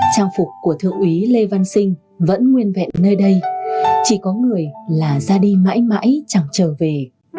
trang phục của thượng úy lê văn sinh vẫn nguyên vẹn nơi đây chỉ có người là ra đi mãi mãi chẳng trở về